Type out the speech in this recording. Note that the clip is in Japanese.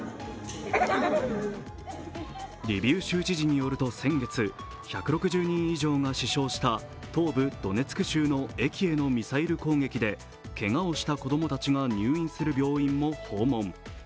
リビウ州知事によると先月、１６０人以上が死傷した東部ドネツク州の駅へのミサイル攻撃でけがをした子供たちが入院する病院も訪問。